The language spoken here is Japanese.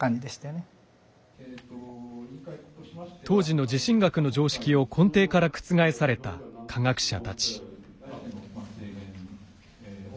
当時の地震学の常識を根底から覆された科学者たち。